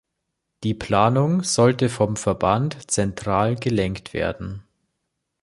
Die Planung sollte vom Verband zentral gelenkt werden.